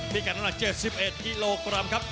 มีการทำการเจอสิบเอ็ดกิโลกรัมครับ